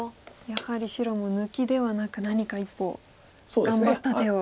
やはり白も抜きではなく何か一歩頑張った手を。